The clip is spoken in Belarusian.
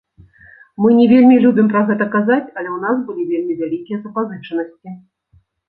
Мы не вельмі любім пра гэта казаць, але ў нас былі вельмі вялікія запазычанасці.